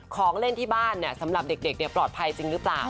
ของเล่นที่บ้านสำหรับเด็กปลอดภัยจริงหรือเปล่า